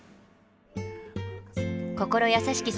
心優しき